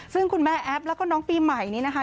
ซึ่งคุณแม่แอฟแล้วก็น้องปีใหม่นี้นะคะ